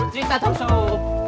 cerita dong sup